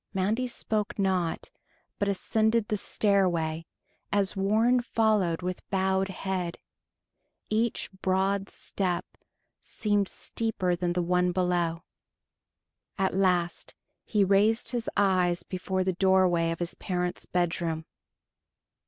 Mandy spoke not, but ascended the stairway, as Warren followed with bowed head. Each broad step seemed steeper than the one below. At last he raised his eyes before the doorway of his parents' bedroom.